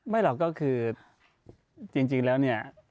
หรอกก็คือจริงแล้วเนี่ย